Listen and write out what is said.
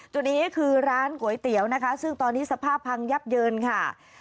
จุดนี้คือร้านก๋วยเตี๋ยวนะคะซึ่งตอนนี้สภาพพังยับเยินค่ะ